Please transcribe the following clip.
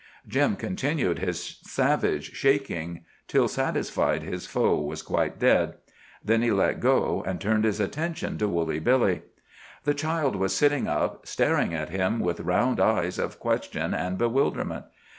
Jim continued his savage shaking till satisfied his foe was quite dead. Then he let go, and turned his attention to Woolly Billy. The child was sitting up, staring at him with round eyes of question and bewilderment.